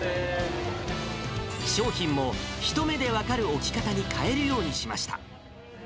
商品も一目で分かる置き方に変えるようにしました。